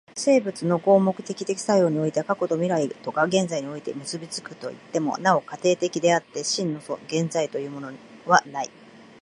生物の合目的的作用においては過去と未来とが現在において結び付くといっても、なお過程的であって、真の現在というものはない。